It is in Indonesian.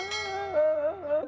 ini semua telah menjadi